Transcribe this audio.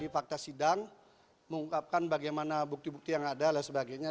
fakta sidang mengungkapkan bagaimana bukti bukti yang ada dan sebagainya